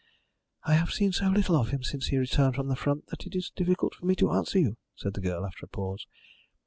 "I have seen so little of him since he returned from the front that it is difficult for me to answer you," said the girl, after a pause.